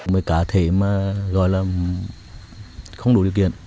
mấy cá thể mà gọi là không đủ điều kiện